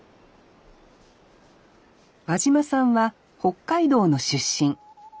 和嶋さんは北海道の出身。